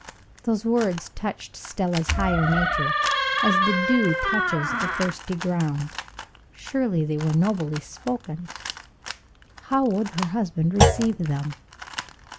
(Those words touched Stella's higher nature, as the dew touches the thirsty ground. Surely they were nobly spoken! How would her husband receive them?)